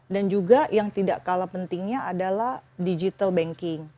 dan juga yang tidak kalah pentingnya adalah digital banking